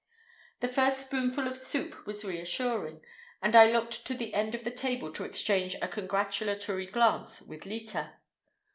The first spoonful of soup was reassuring, and I looked to the end of the table to exchange a congratulatory glance with Leta.